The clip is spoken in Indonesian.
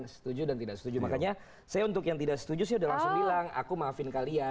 setuju dan tidak setuju makanya saya untuk yang tidak setuju sih udah langsung bilang aku maafin kalian